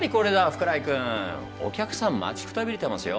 福来君お客さん待ちくたびれてますよ。